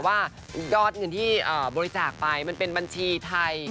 ว่ายอดเงินที่บริจาคไปมันเป็นบัญชีไทย